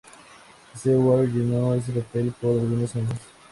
Stewart llenó ese papel por algunos años.